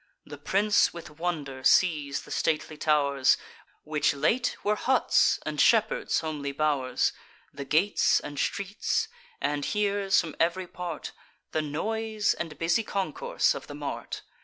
The prince with wonder sees the stately tow'rs, Which late were huts and shepherds' homely bow'rs, The gates and streets; and hears, from ev'ry part, The noise and busy concourse of the mart.